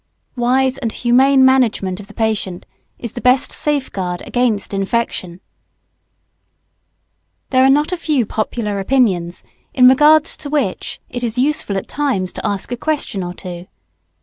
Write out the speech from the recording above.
Wise and humane management of the patient is the best safeguard against infection. [Sidenote: Why must children have measles, &c.,] There are not a few popular opinions, in regard to which it is useful at times to ask a question or two.